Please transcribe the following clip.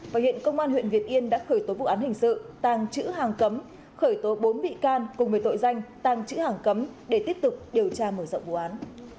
và hiện công an huyện việt yên đã khởi tố vụ án hình sự tàng chữ hàng cấm khởi tố bốn bị can cùng với tội danh tàng chữ hàng cấm để tiếp tục điều tra mở rộng vụ án